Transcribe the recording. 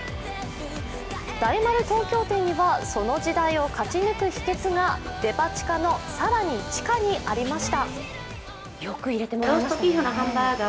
大丸東京店にはその時代を勝ち抜く秘けつがデパ地下の更に地下にありました。